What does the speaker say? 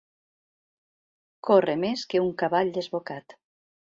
Córrer més que un cavall desbocat.